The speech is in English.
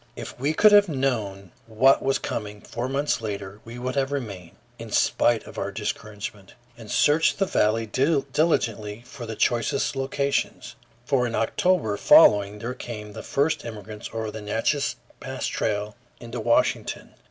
If we could have known what was coming four months later, we would have remained, in spite of our discouragement, and searched the valley diligently for the choicest locations. For in October following there came the first immigrants over the Natchess Pass Trail into Washington.